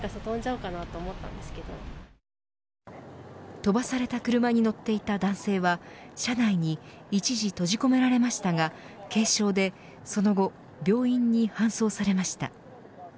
飛ばされた車に乗っていた男性は車内に一時閉じ込められましたが軽傷でその後病院に搬送されました。